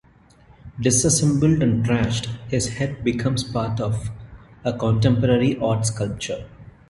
Disassembled and trashed, his head becomes part of a contemporary art sculpture.